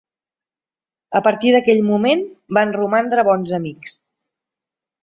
A partir d'aquell moment van romandre bons amics.